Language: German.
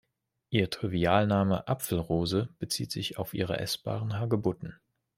Ihr Trivialname Apfel-Rose bezieht sich auf ihre essbaren Hagebutten.